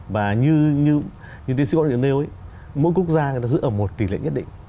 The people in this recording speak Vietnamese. và như tiến sĩ có thể nêu mỗi quốc gia người ta giữ ở một tỷ lệ nhất định